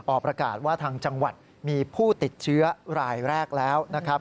ออกประกาศว่าทางจังหวัดมีผู้ติดเชื้อรายแรกแล้วนะครับ